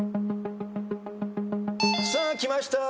さあきました。